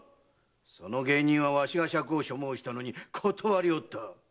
その芸人はわしが酌を所望したのに断りおったわ。